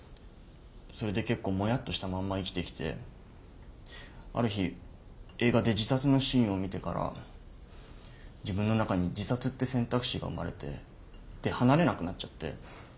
それで結構モヤッとしたまんま生きてきてある日映画で自殺のシーンを見てから自分の中に自殺って選択肢が生まれてで離れなくなっちゃって。